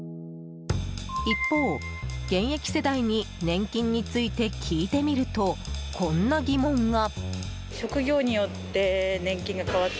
一方、現役世代に年金について聞いてみるとこんな疑問が。